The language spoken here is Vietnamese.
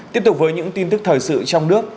tiếp tục với những tin tức thời sự trong nước